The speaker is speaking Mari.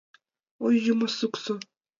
Ой, юмо-суксо!